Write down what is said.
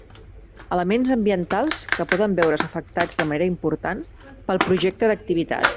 Elements ambientals que poden veure's afectats de manera important pel projecte d'activitat.